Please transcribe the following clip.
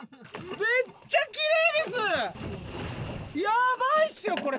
ヤバいっすよこれ！